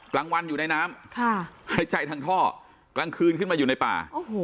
กลางวันอยู่ในน้ำหายใจทางท่อกลางคืนขึ้นมาอยู่ในป่า